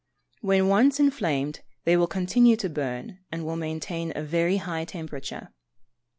When once inflamed they will continue to burn, and will maintain a very high temperature.